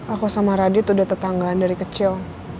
aku sama radit udah tetanggaan dari kecil